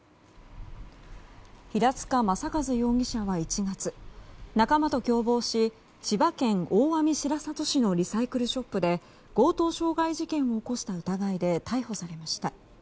平塚雅一容疑者は１月、仲間と共謀し千葉県大網白里市のリサイクルショップで強盗傷害事件を起こした疑いで逮捕されました。